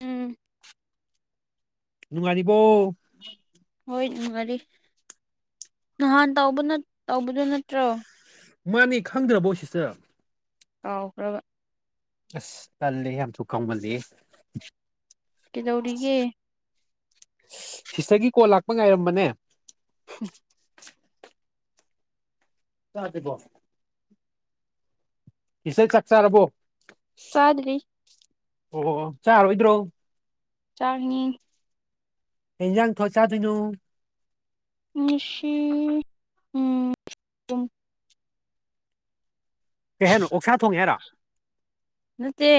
ꯎꯝ ꯅꯨꯡꯉꯥꯏꯔꯤꯕ‌ꯣ ꯍꯣꯏꯅꯨꯉꯥꯔꯤ ꯅꯍꯥꯟ ꯇꯧꯕ ꯇꯧꯕꯗꯣ ꯅꯠꯇ꯭ꯔꯣ ꯃꯥꯅꯤ ꯈꯪꯗ꯭ꯔꯕꯣ ꯁꯤꯁꯇ꯭ꯔ ꯑꯥꯎꯈ꯭ꯔꯕ ꯑꯁ ꯇꯜꯂꯤ ꯌꯥꯝꯊꯨ ꯀꯥꯎꯒꯜꯂꯤ ꯀꯩꯗꯧꯔꯤꯒꯦ ꯁꯤꯁꯇꯔꯒꯤ ꯀꯣꯜ ꯂꯥꯛꯄ ꯉꯥꯏꯔꯝꯕꯅꯦ [unintelligible] ꯆꯥꯗ꯭ꯔꯤꯕꯣ ꯏꯆꯥꯜ ꯆꯛ ꯆꯥꯔꯕꯣ ꯆꯗ꯭ꯔꯤ ꯑꯣ ꯑꯣ ꯆꯥꯔꯣꯏꯗ꯭ꯔꯣ ꯆꯔꯅꯤ ꯀꯩꯖꯥꯡ ꯊꯣꯡ ꯆꯥꯗꯣꯏꯅꯣ ꯉꯁꯤ ꯎꯝ ꯀꯩ ꯍꯥꯏꯅꯣ ꯑꯣꯛꯁꯥ ꯊꯣꯡꯉꯦ ꯍꯥꯏꯔꯥ ꯅꯠꯇꯦ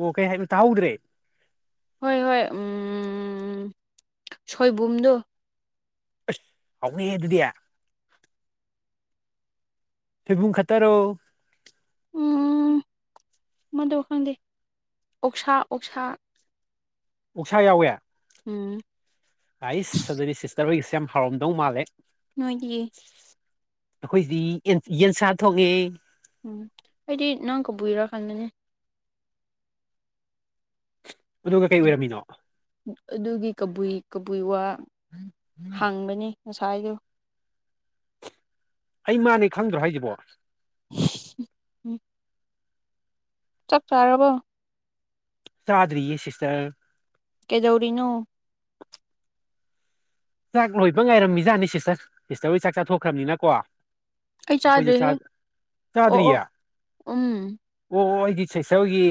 ꯑꯣ ꯀꯩ ꯍꯥꯏꯕꯅꯣ ꯇꯥꯍꯧꯗ꯭ꯔꯦ ꯍꯣꯏ ꯍꯣꯏ ꯎꯝ ꯁꯣꯏꯕꯨꯝꯗꯣ ꯑꯁ ꯍꯥꯎꯅꯤꯍꯦ ꯑꯗꯨꯗꯤ ꯐꯩꯕꯨꯡ ꯈꯠꯇꯔꯣ ꯎꯝ ꯃꯗꯨ ꯈꯪꯗꯦ ꯑꯣꯛꯁꯥ ꯑꯣꯛꯁꯥ ꯑꯣꯛꯁꯥ ꯌꯥꯎꯋꯦ ꯎꯝ ꯍꯩꯁ ꯑꯗꯨꯗꯤ ꯁꯤꯁꯇꯔ ꯍꯣꯏꯒꯤꯁꯦ ꯌꯥꯝ ꯍꯥꯎꯔꯝꯗꯧ ꯃꯥꯜꯂꯦ ꯅꯣꯏꯒꯤ ꯑꯈꯣꯏꯗꯤ ꯑ‌ꯦꯟ ꯌꯦꯟꯁꯥ ꯊꯣꯡꯉꯦ ꯎꯝ ꯑꯩꯗꯤ ꯅꯪ ꯀꯥꯕꯨꯏꯔꯥ ꯈꯟꯕꯅꯦ ꯑꯗꯨꯒ ꯀꯩ ꯑꯣꯏꯔꯝꯃꯤꯅꯣ ꯑꯗꯨꯒꯤ ꯀꯕꯨꯏ ꯀꯕꯨꯏ ꯋꯥ ꯍꯥꯡꯕꯅꯤ ꯉꯁꯥꯏꯗꯣ ꯑꯩ ꯃꯥꯅꯦ ꯈꯪꯗ꯭ꯔꯣ ꯍꯥꯏꯁꯤꯕꯣ [unintelligible] ꯆꯛ ꯆꯥꯔꯕꯣ ꯆꯥꯗꯔꯤꯌꯦ ꯁꯤꯁꯇꯔ ꯀꯩꯗꯧꯔꯤꯅ‌ꯣ ꯆꯥꯛ ꯂꯣꯏꯕ ꯉꯥꯏꯔꯝꯃꯤꯖꯥꯠꯅꯤ ꯁꯤꯁꯇꯔ ꯁꯤꯁꯇꯔ ꯍꯣꯏ ꯆꯥꯛ ꯆꯥꯊꯣꯛꯈ꯭ꯔꯕꯅꯤꯅꯀꯣ ꯑꯩ ꯑꯩꯈꯣꯏꯁꯨ ꯆꯥꯗ꯭ꯔꯤꯍꯦ ꯆꯥꯛ ꯑꯣ ꯑꯣ ꯆꯥꯗ꯭ꯔꯤꯌꯦ ꯎꯝ ꯑꯣꯑꯣ ꯑꯩꯗꯤ ꯁꯤꯁꯇ꯭ꯔ ꯍꯣꯏꯒꯤ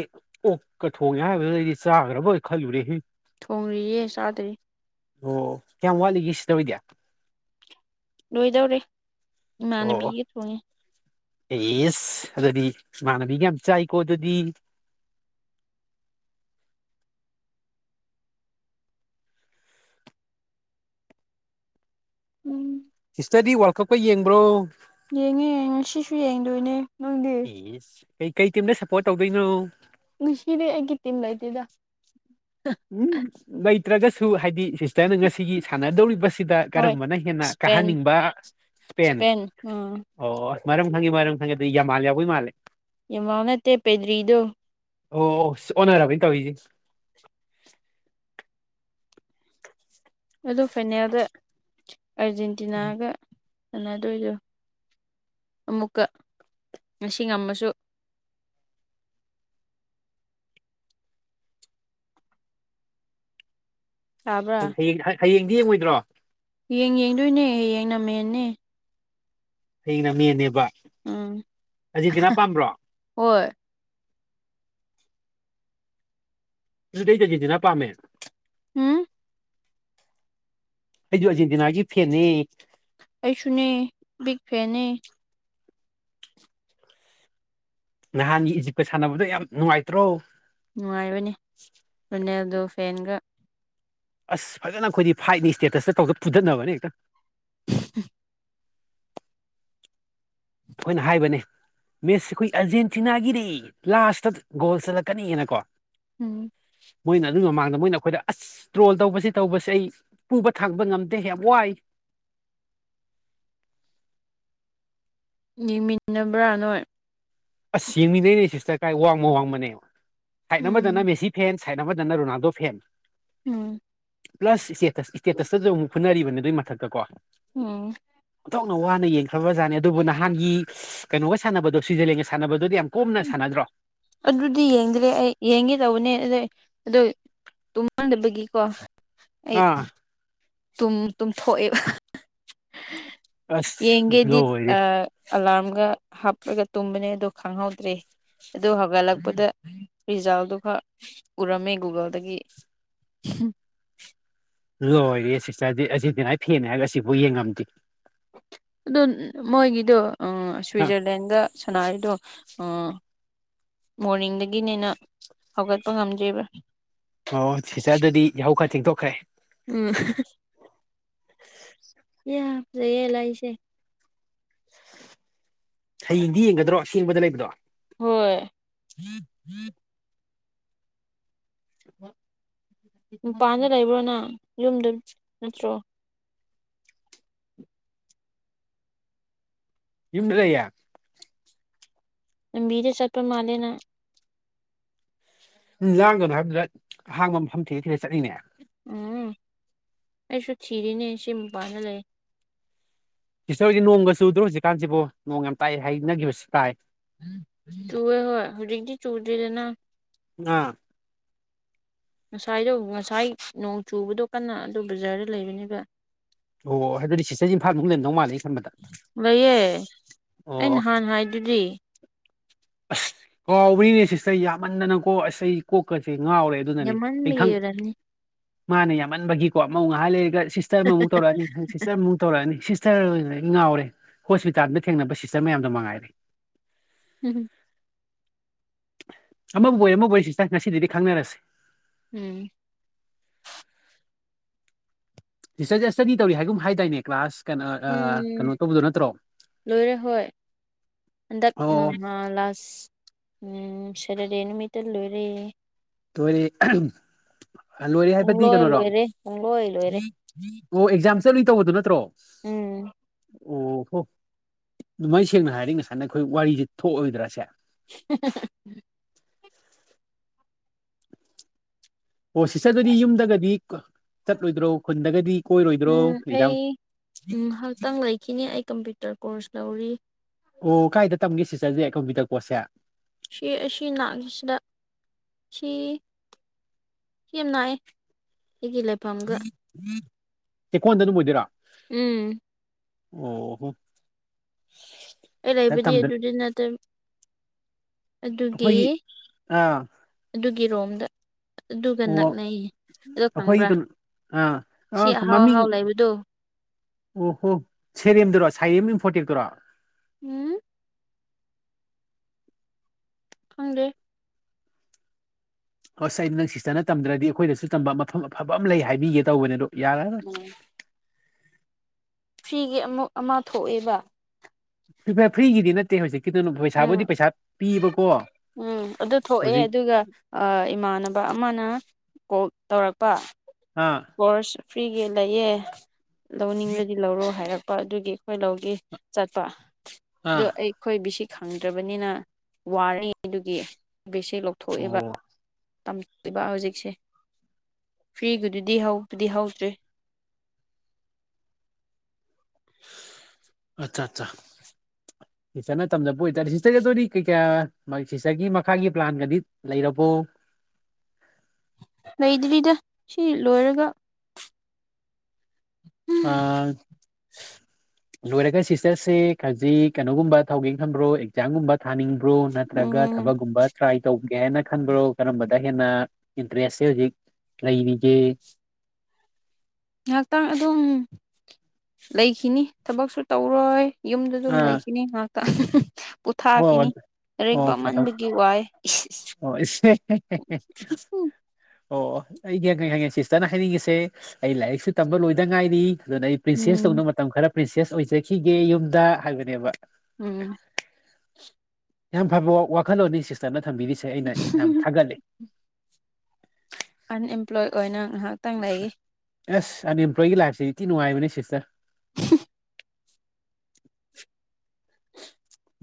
ꯑꯣꯛꯀ ꯊꯣꯡꯉꯦ ꯍꯥꯏꯕꯗꯨ ꯑꯩꯗꯤ ꯆꯥꯒꯔꯥꯕꯣꯏ ꯈꯜꯂꯨꯔꯦ ꯍꯦ ꯊꯣꯡꯔꯤꯌꯦ ꯆꯥꯗ꯭ꯔꯤ ꯑꯣ ꯀꯌꯥꯝ ꯋꯥꯠꯂꯤꯒ‌ꯦ ꯁ꯭ꯤꯁꯇꯔ ꯍ‌ꯣꯏꯗꯤ ꯂꯣꯏꯗꯧꯔꯦ ꯑꯣ ꯏꯃꯥꯟꯅꯕꯤꯒ ꯊꯣꯡꯉꯦ ꯌꯦꯁ ꯑꯗꯨꯗꯤ ꯏꯃꯥꯟꯅꯕꯤꯒ ꯌꯥꯝ ꯆꯥꯏꯀꯣ ꯑꯗꯨꯗꯤ ꯎꯝ ꯁꯤꯁꯇꯔꯗꯤ ꯋꯥꯔꯜ ꯀꯞꯀ ꯌꯦꯡꯕ꯭ꯔꯣ ꯌꯦꯡꯉꯦ ꯉꯁꯤꯁꯨ ꯌꯦꯡꯗꯣꯏꯅꯦ ꯅꯪꯗꯤ ꯏꯁ ꯀꯩ ꯀꯩ ꯇꯤꯝꯗ ꯁꯞꯄꯣꯔꯠ ꯇꯧꯗꯣꯏꯅꯣ ꯉꯁꯤꯗꯤ ꯑꯩꯒꯤ ꯇꯤꯝ ꯂꯩꯇ‌ꯦꯗ ꯎꯝ ꯂꯩꯇ꯭ꯔꯒꯁꯨ ꯍꯥꯏꯗꯤ ꯁꯤꯁꯇꯔꯅ ꯉꯁꯤꯒꯤ ꯁꯥꯟꯅꯗꯧꯔꯤꯕ ꯁꯤꯗ ꯍꯣꯏ ꯀꯔꯝꯕꯅ ꯍꯦꯟꯅ ꯏꯁꯄꯦꯟ ꯀꯥꯍꯟꯅꯤꯡꯕ ꯏꯁꯄꯦꯟ ꯑꯣ ꯃꯔꯝ ꯈꯪꯉ‌ꯦ ꯃꯔꯝ ꯈꯪꯉ‌ꯦ ꯑꯗꯨ ꯌꯥꯝꯃꯥꯜ ꯌꯥꯎꯕꯩ ꯃꯥꯜꯂꯦ ꯌꯃꯥꯜ ꯅꯠꯇꯦ ꯄꯦꯗ꯭ꯔꯤꯗꯣ ꯑꯣ ꯑꯣ ꯑꯣꯟꯅꯔꯕ ꯑꯩꯅ ꯇꯧꯔꯤꯁꯦ [inaudible] ꯑꯗꯨ ꯐꯥꯏꯅꯦꯜꯗ ꯑꯔꯖꯦꯟꯇꯤꯅꯥꯒ ꯁꯥꯅꯗꯣꯏꯗꯣ ꯑꯃꯨꯛꯀ ꯉꯁꯤ ꯉꯝꯃꯁꯨ ꯇꯥꯕ꯭ꯔꯥ ꯍ ꯍꯌꯦꯡ ꯍꯌꯦꯡꯗꯤ ꯌꯦꯡꯉꯣꯏꯗ꯭ꯔꯣ ꯌ‌ꯦꯡ ꯌꯦꯡꯗꯣꯏꯅꯦ ꯍꯌꯦꯡꯅ ꯃ‌ꯦꯟꯅ‌ꯦ ꯍꯌꯦꯡꯅ ꯃꯦꯟꯅꯦꯕ ꯎꯝ ꯑꯔꯖꯦꯟꯇꯤꯅꯥ ꯄꯥꯝꯕ꯭ꯔꯣ ꯍꯣꯏ ꯑꯗꯨꯗꯤ [unintelligible] ꯑꯔꯖꯦꯟꯇꯤꯅ ꯄꯥꯝꯃꯦ ꯎꯝ ꯑꯩꯖꯨ ꯑꯔꯖꯦꯟꯇꯤꯅꯥꯒꯤ ꯐꯦꯟꯅ‌ꯦ ꯑꯩꯁꯨꯅꯦ ꯕꯤꯛ ꯐꯦꯟꯅꯦ ꯅꯍꯥꯟꯒꯤ ꯏꯖꯤꯞꯀ ꯁꯥꯟꯅꯕꯗꯣ ꯌꯥꯝ ꯅꯨꯡꯉꯥꯏꯇ꯭ꯔꯣ ꯅꯨꯡꯉꯥꯏꯕꯅꯤ ꯔꯨꯅꯦꯜꯗꯣ ꯐꯦꯟꯒ ꯑꯁ ꯐꯖꯅ ꯑꯩꯈꯣꯏꯗꯤ ꯐꯥꯏꯠꯅꯤ ꯏꯁꯇꯦꯇꯁꯇ ꯇꯧꯔ ꯐꯨꯊꯠꯅꯕꯅꯦ ꯍꯦꯛꯇ [unintelligible] ꯑꯩꯈꯣꯏꯅ ꯍꯥꯏꯕꯅꯦ ꯃ‌ꯦꯁ ꯑꯩꯈꯣꯏ ꯑꯥꯔꯖꯦꯟꯇꯤꯅꯥꯒꯤꯗꯤ ꯂꯥꯁꯇ ꯒꯣꯜ ꯆꯠꯂꯛꯀꯅꯤꯅꯀꯣ ꯎꯝ ꯃꯣꯏꯅ ꯑꯗꯨꯏ ꯃꯃꯥꯡꯗ ꯃꯣꯏꯅ ꯑꯩꯈꯣꯏꯗ ꯑꯁ ꯇ꯭ꯔꯣꯜ ꯇꯧꯕꯁꯤ ꯇꯧꯕꯁꯦ ꯑꯩ ꯄꯨꯕ ꯊꯥꯡꯕ ꯉꯝꯇ‌ꯦ ꯌꯥꯝ ꯋꯥꯏ ꯌꯦꯡꯃꯤꯟꯅꯕ꯭ꯔꯥ ꯅꯣꯏ ꯑꯁ ꯌꯦꯡꯃꯤꯟꯅꯩꯅꯦ ꯁꯤꯁꯇꯔ ꯀꯥꯏ ꯋꯥꯡꯃ ꯋꯥꯡꯃꯅꯦ ꯁꯥꯏꯠ ꯑꯃꯗꯅ ꯎꯝ ꯃꯦꯁꯤ ꯐꯦꯟ ꯁꯥꯏꯠ ꯑꯃꯗꯅ ꯔꯣꯅꯥꯜꯗꯣ ꯐꯦꯟ ꯎꯝ ꯄ꯭ꯂꯁ ꯏꯁꯇꯦꯇꯁ ꯏꯁꯇꯦꯇꯁꯇꯁꯨ ꯑꯃꯨꯛ ꯐꯨꯟꯅꯔꯤꯕꯅꯦ ꯑꯗꯨꯏ ꯃꯊꯛꯇ ꯀꯣ ꯑꯣ ꯑꯣꯟꯊꯣꯛꯅ ꯋꯥꯅ ꯌꯦꯡꯈ꯭ꯔꯥꯕꯖꯥꯠꯅꯤ ꯑꯗꯨꯕꯨ ꯅꯍꯥꯟꯒꯤ ꯀꯩꯅꯣꯒ ꯁꯥꯟꯅꯕꯗꯣ ꯁ꯭ꯋꯤꯖꯔꯂꯦꯟꯒ ꯁꯥꯟꯅꯕꯗꯨꯗꯤ ꯌꯥꯝ ꯀꯣꯝꯅ ꯁꯥꯟꯅꯗ꯭ꯔꯣ ꯑꯗꯨꯗꯤ ꯌꯦꯡꯗ꯭ꯔꯦ ꯑꯩ ꯌꯦꯡꯒꯦ ꯇꯧꯕꯅꯦ ꯑꯗꯨꯗꯩꯩ ꯑꯗꯣ ꯇꯨꯝꯃꯥꯟꯗꯕꯒꯤꯀꯣ ꯑꯩ ꯑꯥ ꯇꯨꯝ ꯇꯨꯝꯊꯣꯛꯑꯦꯕ ꯑꯁ ꯌꯦꯡꯒꯦꯗꯤ ꯂꯣꯏꯔꯦ ꯑ ꯑꯂꯥꯝꯒ ꯍꯥꯞꯂꯒ ꯇꯨꯝꯕꯅꯦ ꯑꯗꯣ ꯈꯪꯍꯧꯗ꯭ꯔꯦ ꯑꯗꯨ ꯍꯧꯒꯠꯂꯛꯄꯗ ꯔꯤꯖꯥꯜꯗꯨ ꯈꯛ ꯎꯔꯝꯃꯦ ꯒꯨꯒꯜꯗꯒꯤ ꯎꯝ ꯂꯣꯏꯔꯦ ꯁꯤꯁꯇꯔꯗꯤ ꯑꯖꯦꯟꯇꯤꯅꯥ ꯐꯦꯟꯅꯦ ꯍꯥꯏꯔꯒ ꯑꯁꯤꯕꯧ ꯌꯦꯡꯉꯝꯗꯦ ꯑꯗꯣ ꯃꯣꯏꯒꯤꯗꯣ ꯑꯥ ꯑ ꯁ꯭ꯋꯤꯖꯔꯂꯦꯟꯒ ꯁꯅꯔꯤꯗꯣ ꯑꯥ ꯃꯣꯔꯅꯤꯡꯗꯒꯤꯅꯦꯅ ꯍꯧꯒꯠꯄ ꯉꯝꯗ꯭ꯔꯤꯕ ꯑꯣ ꯁꯤꯆꯔ ꯑꯗꯨꯗꯤ ꯌꯥꯍꯧ ꯈꯔ ꯊꯦꯡꯗꯣꯛꯈ꯭ꯔꯦ ꯎꯝ ꯏꯌꯥ ꯐꯖꯩꯌꯦ ꯂꯩꯁꯦ ꯍꯌꯦꯡꯗꯤ ꯌꯦꯡꯒꯗ꯭ꯔꯣ ꯑꯊꯦꯡꯕꯗ ꯂꯩꯕꯗꯣ ꯍꯣꯏ [inaudible] [inaudible] ꯃꯄꯥꯟꯗ ꯂꯩꯕ꯭ꯔꯣꯅ ꯌꯨꯝꯗ ꯅꯠꯇ꯭ꯔꯣ ꯌꯨꯝꯗ ꯂꯩꯌꯦ ꯂꯝꯕꯤꯗ ꯆꯠꯄ ꯃꯥꯜꯂꯦꯅ ꯂꯥꯡꯒꯅꯣ ꯍꯥꯏꯕꯗꯨꯗ ꯑꯍꯥꯡꯕ ꯃꯐꯝ ꯊꯤꯔ ꯊꯤꯔ ꯆꯠꯂꯤꯅꯦ ꯎꯝ ꯑꯩꯁꯨ ꯊꯤꯔꯤꯅꯦ ꯁꯤ ꯃꯄꯥꯟꯗ ꯂꯩ ꯁꯤꯁꯇꯔꯍꯣꯢꯗꯤ ꯅꯣꯡꯒ ꯆꯨꯗ꯭ꯔꯣ ꯍꯧꯖꯤꯛꯀꯥꯟꯁꯤꯕꯨ ꯅꯣꯡ ꯌꯥꯝ ꯇꯥꯢ ꯍꯥꯏꯅꯈꯤꯕꯁꯨ ꯇꯥꯏ ꯆꯨꯋꯦ ꯍꯣꯏ ꯍꯧꯖꯤꯛꯇꯤ ꯆꯨꯗ꯭ꯔꯦꯗꯅ ꯅꯥ ꯉꯁꯥꯏꯗꯣ ꯉꯁꯥꯏ ꯅꯣꯡ ꯆꯨꯕꯗꯣ ꯀꯟꯅ ꯑꯗꯨꯗꯣ ꯕꯖꯥꯔꯗ ꯂꯩꯕꯅꯦꯕ ꯑꯣ ꯍꯥꯏꯕꯗꯤ ꯁꯤꯁꯇꯔꯁꯤ ꯏꯝꯐꯥꯜ ꯃꯅꯨꯡꯗ ꯂꯩꯔꯝꯗꯧ ꯃꯥꯜꯂꯦ ꯑꯩ ꯈꯟꯕꯗ ꯑ ꯑꯣ ꯅꯍꯥꯟ ꯍꯥꯏꯗꯨꯗꯤ ꯑꯁ ꯀꯥꯎꯕꯩꯅꯦ ꯁꯤꯁꯇꯔ ꯌꯥꯝꯃꯟꯗꯅꯀꯣ ꯑꯁ ꯑꯩ ꯀꯣꯛꯀꯁꯦ ꯉꯥꯎꯔꯦ ꯑꯗꯨꯅꯅꯦ ꯑꯩ ꯌꯥꯝꯃꯟꯕꯒꯤ ꯈꯪ ꯑꯣꯏꯔꯝꯅꯤ ꯃꯥꯅꯦ ꯌꯥꯝꯃꯟꯕꯒꯤꯀꯣ ꯑꯃꯧ ꯉꯥꯏꯍꯥꯛ ꯂꯩꯔꯒ ꯁꯤꯁ ꯇꯔ ꯃꯃꯨꯛ ꯇꯧꯔꯛꯑꯅꯤ ꯈꯪ ꯁꯤꯁꯇꯔ ꯑꯃꯨꯛ ꯇꯧꯔꯛꯑꯅꯤ ꯁꯤꯁꯇꯔ ꯑꯣꯏꯅ ꯉꯥꯎꯔꯦ ꯍꯣꯁꯄꯤꯇꯥꯜꯗ ꯊꯦꯡꯅꯕ ꯁꯤꯁꯇꯔ ꯃꯌꯥꯝꯗꯣ ꯃꯉꯥꯏꯔꯦ ꯎꯍꯨꯝ ꯑꯃꯕꯨ ꯑꯣꯏ ꯑꯃꯕꯨ ꯑꯣꯏ ꯁꯤꯇꯔ ꯉꯁꯤꯗꯩꯗꯤ ꯈꯪꯅꯔꯁꯦ ꯎꯝ ꯁꯤꯁꯇꯔꯁꯦ ꯁ꯭ꯇꯗꯤ ꯇꯧꯔꯤ ꯍꯥꯏꯒꯨꯝ ꯍꯥꯏꯗꯥꯏꯅꯦ ꯀ꯭ꯂꯥꯁ ꯀꯩꯅꯣ ꯑꯥ ꯎꯝ ꯀꯩꯅꯣ ꯇꯧꯕꯗꯨ ꯅꯠꯇ꯭ꯔꯣ ꯂꯣꯏꯔꯦ ꯍꯣꯏ ꯍꯟꯗꯛ ꯑꯣ ꯅꯍꯥꯜ ꯂꯥꯁ ꯎꯝ ꯁꯦꯇꯔꯗꯦ ꯅꯨꯃꯤꯠꯇ ꯂꯣꯏꯔꯦ ꯂꯣꯏꯔꯦ [unintelligible] ꯂꯣꯏꯔꯦ ꯍꯥꯏꯕꯗꯤ ꯄꯨꯡꯂꯣꯏ ꯀꯩꯅꯣꯔꯣ ꯂꯣꯏꯔꯦ ꯄꯨꯡꯂꯣꯏ ꯂꯣꯏꯔꯦ ꯑꯣ ꯑꯦꯛꯖꯥꯝ ꯆꯠꯂꯨꯢ ꯇꯧꯕꯗꯣ ꯅꯠꯇ꯭ꯔꯣ ꯎꯝ ꯑꯣ ꯍꯣ ꯑꯗꯨꯃꯥꯏꯅ ꯁꯦꯡꯅ ꯍꯥꯏꯔꯗꯤ ꯉꯁꯥꯏꯅ ꯑꯩꯈꯣꯏ ꯋꯥꯔꯤꯁꯦ ꯊꯣꯛꯑꯣꯏꯗ꯭ꯔꯥꯁꯦ [inaudible] ꯑꯣ ꯁꯤꯆꯔ ꯑꯗꯨꯗꯤ ꯌꯨꯝꯗꯒꯗꯤ ꯆꯠꯂꯣꯏꯗ꯭ꯔꯣ ꯈꯨꯟꯗꯒꯗꯤ ꯀꯣꯏꯔꯣꯏꯗ꯭ꯔꯣ ꯎꯝ ꯑꯦꯗꯥ ꯑꯩ ꯎꯝ ꯉꯍꯥꯛꯇꯪ ꯂꯩꯈꯤꯅꯤ ꯑꯩ ꯀꯝꯄ꯭ꯌꯨꯇꯔ ꯀꯣꯔꯁ ꯂꯧꯔꯤ ꯑꯣ ꯀꯥꯏꯗ ꯇꯝꯒꯦ ꯁꯤꯁꯇꯔꯁꯦ ꯀꯝꯄ꯭ꯌꯨꯇꯔ ꯀꯣꯔꯁꯁꯦ ꯁꯤ ꯑꯁꯤ ꯅꯥꯛꯏꯁꯤꯗ ꯁꯤ ꯁꯤ ꯌꯥꯝ ꯅꯥꯛꯏ ꯑꯩꯒꯤ ꯂꯞ ꯆꯦꯛꯀꯣꯟꯗ ꯑꯗꯨꯝ ꯑꯣꯏꯗꯣꯏꯔꯥ ꯎꯝ ꯑꯣ ꯍꯣ ꯑꯩ ꯁꯤꯗ ꯂꯩꯕꯗꯤ ꯇꯝꯗꯅ ꯑꯗꯨꯗꯤ ꯅꯠꯇꯕ ꯑꯗꯨꯒꯤ ꯑꯩꯈꯣꯏꯒꯤ ꯑꯥ ꯑꯗꯨꯒꯤ ꯔꯣꯝꯗ ꯑꯗꯨꯒ ꯑꯣ ꯅꯛꯅꯩ ꯑꯩꯈꯣꯏꯒꯤ ꯀꯩꯅꯣ ꯑꯥ ꯁꯤ ꯑꯥ ꯑꯍꯥꯎ ꯃꯃꯤꯡ ꯑꯍꯥꯎ ꯂꯩꯕꯗꯣ ꯑꯣ ꯍꯣ ꯁꯦꯔꯦꯝꯗꯨꯔꯣ ꯁꯥꯏꯦꯝ ꯏꯝꯐꯣꯔꯇꯦꯛꯇꯔꯣ ꯎꯝ ꯈꯪꯗꯦ ꯑꯁ ꯑꯩ ꯅꯪ ꯁꯤꯁꯇꯔꯅ ꯇꯝꯗ꯭ꯔꯗꯤ ꯑꯩꯈꯣꯏꯗꯁꯨ ꯇꯝꯕ ꯃꯐꯝ ꯑꯐꯕ ꯑꯃ ꯂꯩ ꯍꯥꯏꯕꯤꯒꯦ ꯇꯧꯕꯅꯦ ꯑꯗꯣ ꯌꯥꯔꯦ ꯎꯝ [unintelligible] ꯐ꯭ꯔꯤꯒꯤ ꯑꯃꯨꯛ ꯑꯃ ꯊꯣꯛꯑꯦꯕ ꯐ꯭ꯔꯤꯒꯤꯗꯤ ꯅꯠꯇꯦ ꯍꯧꯖꯤꯛꯀꯤꯗꯨꯅ ꯎꯝ ꯄꯩꯁꯥꯕꯨꯗꯤ ꯄꯩꯁꯥ ꯄꯤꯕꯀꯣ ꯎꯝ ꯑꯗꯨ ꯊꯣꯛꯑꯦ ꯍꯧꯖꯤꯛ ꯑꯗꯨꯒ ꯑꯥ ꯏꯃꯥꯟꯅꯕ ꯑꯃꯅ ꯀꯣꯜ ꯇꯧꯔꯛꯄ ꯍꯥꯥ ꯀꯣꯔ꯭ꯁ ꯐ꯭ꯔꯤꯒꯤ ꯂꯩꯌꯦ ꯂꯧꯅꯤꯡꯂꯗꯤ ꯂꯧꯔꯣ ꯍꯥꯏꯔꯛꯄ ꯑꯗꯨꯒꯤ ꯑꯩꯈꯣꯏ ꯂꯧꯒꯤ ꯆꯠꯄ ꯑꯗꯨ ꯑꯥ ꯑꯩꯈꯣꯢ ꯕꯤꯁꯤ ꯈꯪꯗ꯭ꯔꯕꯅꯤꯅ ꯋꯥꯔꯤ ꯑꯗꯨꯒꯤ ꯕꯦꯁꯦ ꯂꯧꯊꯣꯛꯑꯦꯕ ꯑꯣ ꯇꯝꯕ ꯍꯧꯖꯤꯛꯁꯦ ꯐ꯭ꯔꯤꯒꯤꯗꯨꯗꯤ ꯍꯧꯕꯨꯗꯤ ꯍꯧꯗ꯭ꯔꯤ ꯑꯆꯥ ꯑꯠꯆꯥ ꯁꯤꯁꯇꯔꯅ ꯇꯝꯖꯕ ꯑꯣꯏꯇꯥꯔꯦ ꯁꯤꯁꯇꯔꯒꯤ ꯑꯗꯨ ꯑꯣꯏꯗꯤ ꯀꯩ ꯀꯌꯥ ꯁꯤꯁꯇꯔꯒꯤ ꯃꯈꯥꯒꯤ ꯄ꯭ꯂꯥꯟꯒꯗꯤ ꯂꯩꯔꯕꯣ ꯂꯩꯗ꯭ꯔꯤꯗ ꯁꯤ ꯂꯣꯏꯔꯒ [unintelligible] ꯑꯥ ꯂꯣꯏꯔꯒ ꯁꯤꯁꯇꯔꯁꯦ ꯍꯧꯖꯤꯛ ꯀꯩꯅꯣꯒꯨꯝꯕ ꯇꯧꯒꯦꯅ ꯈꯟꯕ꯭ꯔꯣ ꯑꯦꯛꯖꯥꯝꯒꯨꯝꯕ ꯊꯥꯅꯤꯡ ꯭ꯔꯣ ꯅꯠꯇ꯭ꯔꯒ ꯎꯝ ꯊꯕꯒꯨꯝꯕ ꯇ꯭ꯔꯥꯏ ꯇꯧꯒꯦ ꯍꯥꯏꯅ ꯈꯟꯕ꯭ꯔꯣ ꯀꯔꯝꯕꯗ ꯍꯦꯟꯅ ꯏꯟꯇꯔꯦꯁꯁꯦ ꯍꯧꯖꯤꯛ ꯂꯩꯔꯤꯒꯦ ꯉꯥꯏꯍꯥꯛꯇꯪ ꯑꯗꯨꯝ ꯂꯩꯈꯤꯅꯤ ꯊꯕꯛꯁꯨ ꯇꯧꯔꯣꯏ ꯌꯨꯝꯗ ꯑꯗꯨꯝ ꯑꯥ ꯂꯩꯈꯤꯅꯤ ꯉꯥꯛꯇ ꯄꯣꯊꯥꯒꯤꯅꯤ ꯍꯣꯏ ꯂꯥꯔꯤꯛ ꯑꯣ ꯃꯇꯝ ꯄꯥꯝꯃꯟꯕꯒꯤ ꯋꯥꯏ ꯑꯣ [unintelligible] [unintelligible] ꯑꯣ ꯑꯣ ꯑꯩ ꯈꯪꯉꯦ ꯈꯪꯉꯦ ꯁꯤꯁꯇꯔꯅ ꯍꯥꯏꯅꯤꯡꯉꯤꯁꯦ ꯑꯩ ꯂꯥꯏꯔꯤꯛꯁꯨ ꯇꯝꯕ ꯂꯣꯏꯗ ꯉꯥꯏꯔꯤ ꯑꯗꯨꯅ ꯑꯩ ꯄ꯭ꯔꯤꯟꯁꯦꯁ ꯎꯝ ꯇꯧꯅ ꯃꯇꯝ ꯈꯔ ꯄ꯭ꯔꯤꯟꯁꯦꯁ ꯑꯣꯏꯖꯈꯤꯒꯦ ꯌꯨꯝꯗ ꯍꯥꯏꯕꯅꯦꯕ ꯎꯝ ꯌꯥꯝ ꯐꯕ ꯋꯥꯈꯜꯂꯣꯟꯅꯤ ꯁꯤꯁꯇꯔꯅ ꯊꯝꯕꯤꯔꯤꯁꯦ ꯑꯩꯅ ꯌꯥꯝ ꯊꯥꯒꯠꯂꯤ ꯑꯟꯑꯦꯝꯄ꯭ꯂꯣꯏ ꯑꯣꯏꯅ ꯉꯥꯏꯍꯥꯛꯇꯪ ꯂꯩꯌꯦ ꯑꯁ ꯑꯟꯑꯦꯝꯄ꯭ꯂꯣꯏꯒꯤ ꯂꯥꯏꯐꯁꯦ ꯊꯤ ꯅꯨꯉꯥꯏꯕꯅꯦ ꯁꯤꯁꯇꯔ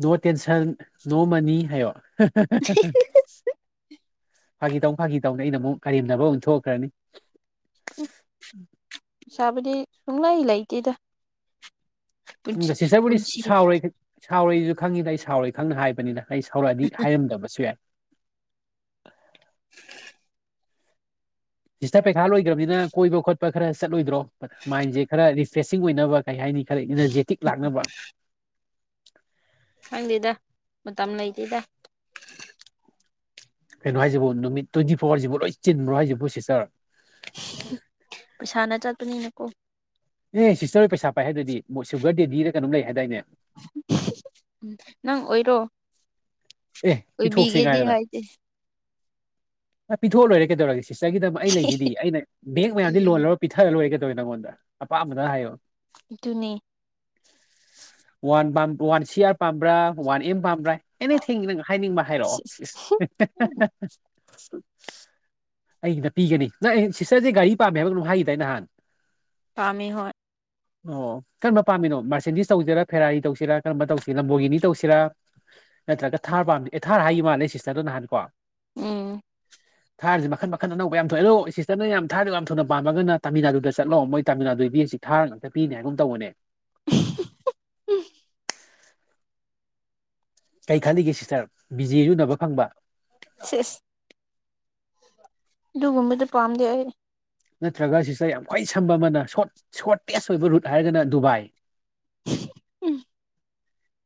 ꯅꯣ ꯇꯦꯟꯁꯟ ꯅꯣ ꯃꯅꯤ ꯍꯥꯏꯌꯣ ꯐꯥꯒꯤ ꯇꯧꯅꯤ ꯐꯥꯒꯤ ꯇꯧꯅꯤ ꯑꯩꯅ ꯑꯃꯨꯛ ꯀꯔꯦꯝꯅꯕ ꯑꯃꯨꯛ ꯊꯣꯛꯈ꯭ꯔꯅꯤ ꯁꯕꯨꯗꯤ ꯁꯨꯡꯂꯩ ꯂꯩꯇꯦꯗ ꯁꯤꯁꯇꯔꯕꯨꯗꯤ ꯄꯨꯟꯁꯤ ꯁꯥꯎꯔꯣꯏ ꯁꯥꯎꯔꯣꯏꯁꯨ ꯈꯪꯉꯤꯗ ꯑꯩ ꯁꯥꯎꯔꯣꯏ ꯈꯪꯅ ꯍꯥꯏꯕꯅꯤꯗ ꯑꯩ ꯁꯧꯔꯛꯑꯗꯤ ꯍꯥꯏꯔꯝꯗꯕꯁꯨ ꯌꯥꯏ ꯁꯤꯁꯇꯔ ꯄꯩꯈꯥ ꯂꯣꯏꯒ꯭ꯔꯥꯝꯅꯤꯅ ꯀꯣꯏꯕ ꯈꯣꯠꯄ ꯈꯔ ꯆꯠꯂꯣꯏꯗ꯭ꯔꯣ ꯃꯥꯏꯟꯁꯦ ꯈꯔ ꯔꯤꯐ꯭ꯔꯦꯁꯤꯡ ꯑꯣꯏꯅꯕ ꯀꯩ ꯍꯥꯏꯅꯤ ꯈꯔ ꯏꯅꯔꯖꯦꯇꯤꯛ ꯂꯥꯛꯅꯕ ꯈꯪꯗꯦꯗ ꯃꯇꯝ ꯂꯩꯇꯦꯗ ꯀꯩꯅꯣ ꯍꯥꯏꯁꯤꯕꯨ ꯅꯨꯃꯤꯠ ꯇ꯭ꯋꯦꯟꯇꯤ ꯐꯣꯔꯋꯥꯔꯖꯤꯕꯨ ꯂꯣꯏ ꯆꯤꯟꯕ꯭ꯔꯣ ꯍꯥꯏꯁꯤꯕꯨ ꯁꯤꯁꯇꯔ ꯄꯩꯁꯥꯅ ꯆꯠꯄꯅꯤꯅ ꯀꯣ ꯑꯦ ꯁꯤꯁꯇꯔ ꯍꯣꯏ ꯄꯩꯁꯥ ꯄꯥꯏ ꯍꯥꯏꯗꯨꯗꯤ ꯃꯣꯏ ꯁꯨꯒꯔ ꯗꯦꯗꯤꯔꯥ ꯀꯩꯅꯣꯝ ꯂꯩ ꯍꯥꯏꯗꯥꯏꯅꯦ ꯅꯪ ꯑꯣꯏꯔꯣ ꯑꯦ ꯄꯤꯊꯣꯛꯁꯤ ꯑꯣꯏꯕꯤꯒꯦꯗꯤ ꯉꯥꯏꯗꯅ ꯍꯥꯏꯗꯦ ꯄꯤꯊꯣꯛꯑ ꯂꯣꯏꯔꯦ ꯀꯩꯗꯧꯔꯒꯦ ꯁꯤꯁꯇꯔꯒꯤꯗꯃꯛ ꯑꯩ ꯂꯩꯁꯤꯗꯤ ꯑꯩꯅ ꯕꯦꯡ ꯃꯌꯥꯝꯗꯤ ꯂꯣꯟ ꯂꯧꯔ ꯄꯤꯊꯥꯔ ꯂꯣꯏꯔꯦ ꯀꯩꯗꯧꯔꯒꯦ ꯅꯥꯉꯣꯟꯗ ꯑꯄꯥꯝꯕꯗ ꯍꯥꯏꯌꯣ ꯑꯗꯨꯅꯦ ꯋꯥꯟ ꯄꯥꯝ ꯋꯥꯟ ꯁꯤ ꯑꯥꯔ ꯄꯥꯝꯕ꯭ꯔꯥ ꯋꯥꯟ ꯑꯦꯝ ꯄꯥꯝꯕ꯭ꯔꯥ ꯇꯤꯉꯤ ꯀꯩꯅꯣ ꯍꯥꯏꯅꯤꯡꯕ ꯍꯥꯢꯔꯛꯑꯣ ꯢꯁ ꯢꯁ [unintelligible] ꯑꯩꯒꯤꯗ ꯄꯤꯒꯅꯤ ꯅꯪ ꯁꯤꯁꯇꯔꯁꯦ ꯒꯥꯔꯤ ꯄꯥꯝꯃꯦ ꯍꯥꯏꯕꯒꯨꯝ ꯍꯥꯏꯈꯤꯗꯥꯏ ꯅꯍꯥꯟ ꯄꯥꯝꯃꯦ ꯍꯣꯏ ꯑꯣ ꯀꯔꯝꯕ ꯄꯥꯝꯃꯤꯅꯣ ꯃꯥꯔꯁꯦꯟꯗꯤꯁ ꯇꯧꯁꯤꯔꯥ ꯐꯦꯔꯥꯔꯤ ꯇꯧꯁꯤꯔꯥ ꯀꯔꯝꯕ ꯇꯧꯁꯤꯔ ꯂꯝꯕꯣꯒꯤꯅꯤ ꯇꯧꯁꯤꯔꯥ ꯅꯠꯇ꯭ꯔꯒ ꯊꯥꯔ ꯄꯥꯝ ꯕꯤ ꯊꯥꯔ ꯍꯥꯏꯈꯤꯕ ꯃꯥꯜꯂꯦ ꯁꯤꯁꯇꯔꯗꯨ ꯅꯍꯥꯟ ꯀꯣ ꯎꯝ ꯊꯥꯔꯖꯦ ꯃꯈꯟ ꯃꯈꯟ ꯑꯅꯧꯕ ꯌꯥꯝ ꯊꯣꯛꯑꯦ ꯑꯗꯣ ꯁꯤꯁꯇꯔ ꯅ ꯌꯥꯝ ꯊꯥꯔꯗꯣ ꯌꯥꯝ ꯊꯨꯅ ꯄꯥꯝꯃꯒꯅ ꯇꯥꯃꯤꯜ ꯅꯥꯗꯨꯗ ꯆꯠꯂꯣ ꯃꯣꯏ ꯇꯥꯃꯤꯜ ꯅꯥꯗꯨꯏ ꯕꯤꯁꯤ ꯊꯥꯔ ꯉꯥꯛꯇ ꯄꯤꯅꯦ ꯍꯥꯏꯒꯨꯝ ꯑꯃ ꯇꯧꯕꯅꯦ [unintelligible] ꯀꯩ ꯈꯜꯂꯤꯒꯦ ꯁꯤꯁꯇꯔ ꯕꯤꯖꯦꯖꯨ ꯎꯅꯕ ꯐꯪꯕ ꯁꯤꯏꯁ ꯑꯗꯨꯒꯨꯝꯕꯗꯨ ꯄꯥꯝꯗꯦ ꯑꯩ ꯅꯠꯇ꯭ꯔꯒ ꯁꯤꯁꯇꯔ ꯌꯥꯝ ꯈ꯭ꯋꯥꯏ ꯁꯝꯕ ꯑꯃꯅ ꯁꯣꯠ ꯁꯣꯠꯔꯇꯦꯁ ꯑꯣꯏꯕ ꯔꯨꯠ ꯍꯥꯏꯔꯒꯅ ꯗꯨꯕꯥꯏ [unintelligible]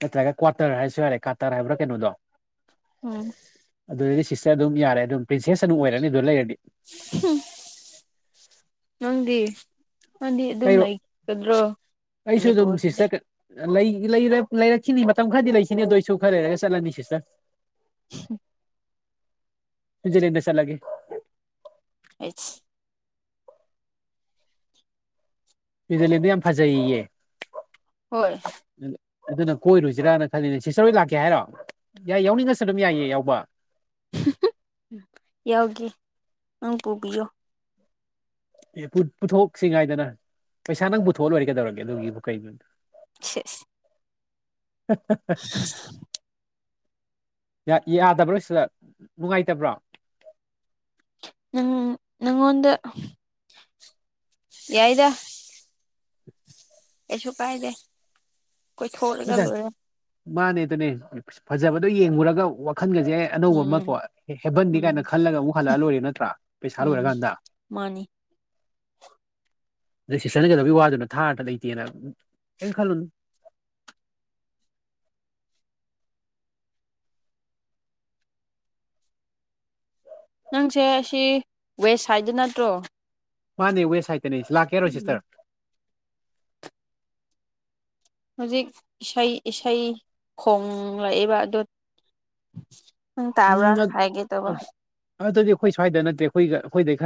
ꯅꯠꯇ꯭ꯔꯒ ꯀ꯭ꯋꯥꯇꯔ ꯍꯥꯏꯁꯨ ꯌꯥꯔꯦ ꯀꯥꯇꯥꯔ ꯍꯥꯏꯕꯔ ꯀꯩꯅꯣꯗꯣ ꯎꯝ ꯑꯗꯨꯗꯗꯤ ꯁꯤꯁꯇꯔ ꯑꯗꯨꯝ ꯌꯥꯔꯦ ꯑꯗꯨꯝ ꯄ꯭ꯔꯤꯟꯁꯦꯁ ꯑꯗꯨꯝ ꯑꯣꯏꯔꯅꯤ ꯑꯗꯨ ꯂꯩꯔꯗꯤ ꯍꯨꯝ ꯅꯪꯗꯤ ꯅꯪꯗꯤ ꯑꯗꯨꯝ ꯀꯩꯔꯣ ꯂꯩ ꯂꯩꯒꯗ꯭ꯔꯣ ꯃꯅꯤꯄꯨꯔꯁꯤꯗ ꯂꯩ ꯂꯩꯔꯛ ꯂꯩꯔꯛꯈꯤꯅꯤ ꯃꯇꯝ ꯈꯔꯗꯤ ꯂꯩꯈꯤꯅꯤ ꯑꯗꯨ ꯑꯣꯏꯁꯨ ꯈꯔ ꯂꯩꯔꯒ ꯆꯠꯂꯅꯤ ꯁꯤꯁꯇꯔ [unintelligible] ꯁꯨꯏꯖꯔꯂꯦꯟ ꯗ ꯆꯠꯂꯒꯦ ꯑꯩꯁ ꯁꯨꯏꯖꯔꯂꯦꯟꯗꯣ ꯌꯥꯝ ꯐꯖꯩꯌꯦꯑꯦ ꯍꯣꯏ ꯑꯗꯨꯅ ꯀꯣꯏꯔꯨꯁꯤꯔꯥꯅ ꯈꯜꯂꯤꯅꯦ ꯁꯤꯁꯇꯔ ꯍꯣꯏ ꯂꯥꯛꯀꯦ ꯍꯥꯏꯔꯣ ꯌꯥꯏ ꯌꯥꯎꯅꯤꯡꯉꯁꯨ ꯑꯗꯨꯝ ꯌꯥꯏꯌꯦ ꯌꯥꯎꯕ [unintelligible] ꯌꯥꯎꯒꯦ ꯅꯪ ꯄꯨꯕꯤꯌꯣ ꯑꯦ ꯄꯨ ꯄꯨꯊꯣꯛꯁꯤꯉꯥꯏꯗꯅ ꯄꯩꯁꯥ ꯅꯪ ꯄꯨꯊꯣꯛꯑ ꯂꯣꯏꯔꯦ ꯀꯩꯗꯧꯔꯒꯦ ꯑꯗꯨꯒꯤꯕꯨ ꯀꯩꯅꯣꯅꯦ ꯁꯤꯏꯁ [unintelligible] ꯌꯥ ꯌꯥꯗꯕ꯭ꯔꯣ ꯁꯤꯁꯇꯔ ꯅꯨꯡꯉꯥꯏꯇꯕ꯭ꯔꯣ ꯅꯪ ꯅꯪꯉꯣꯟꯗ ꯌꯥꯏꯗ ꯀꯩꯁꯨ ꯀꯥꯏꯗꯦ ꯀꯣꯏꯊꯣꯛꯂꯒ ꯍꯣꯏꯗ ꯂꯣꯏꯔꯦ ꯃꯥꯅꯦ ꯑꯗꯨꯅꯦ ꯐꯖꯕꯗꯣ ꯌꯦꯡꯉꯨꯔꯒ ꯋꯥꯈꯜꯒꯁꯦ ꯑꯅꯧꯕ ꯎꯝ ꯑꯃꯀꯣ ꯍꯦꯕꯟꯅꯦ ꯎꯝ ꯀꯥꯏꯅ ꯈꯜꯂꯒ ꯑꯃꯨꯛ ꯍꯜꯂꯛꯑ ꯂꯣꯏꯔꯦ ꯅꯠꯇ꯭ꯔꯥ ꯄꯩꯁꯥ ꯎꯝ ꯂꯣꯏꯔꯀꯥꯟꯗ ꯃꯥꯅꯤ ꯁꯤꯁꯇꯔ ꯅ ꯀꯩꯗꯧꯕꯒꯤ ꯋꯥꯗꯨꯅ ꯊꯥꯔꯒ ꯂꯩꯇꯦꯅ ꯀꯩꯝ ꯈꯜꯂꯨꯅꯨ ꯅꯪꯁꯦ ꯑꯁꯤ ꯋꯦꯁ ꯁꯥꯏꯗ ꯅꯠꯇ꯭ꯔꯣ ꯃꯥꯅꯦ ꯋꯦꯁ ꯁꯥꯏꯠꯇꯅꯦ ꯂꯥꯛꯀꯦ ꯍꯥꯏꯔꯣ ꯎꯝ ꯁꯤꯁꯇꯔ ꯍꯧꯖꯤꯛ ꯏꯁꯩ ꯏꯁꯩ ꯈꯣꯡꯂꯛꯏꯕ ꯑꯗꯣ ꯅꯪ ꯇꯥꯕ꯭ꯔꯥ ꯎꯝ ꯍꯥꯏꯒꯦ ꯇꯧꯕ ꯑꯗꯨꯗꯤ ꯑꯩꯈꯣꯏ ꯁ꯭ꯋꯥꯏꯗ ꯅꯠꯇꯦ ꯑꯩꯈꯣꯏꯒ ꯑꯩꯈꯣꯏꯗꯩ ꯈꯔ